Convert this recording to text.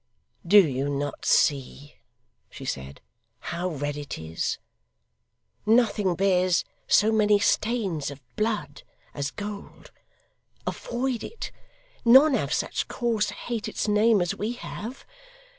'Do you not see,' she said, 'how red it is? Nothing bears so many stains of blood, as gold. Avoid it. None have such cause to hate its name as we have.